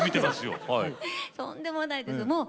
とんでもないですもう。